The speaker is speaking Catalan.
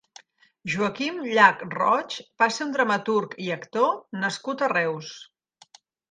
Joaquim Llach Roig va ser un dramaturg i actor nascut a Reus.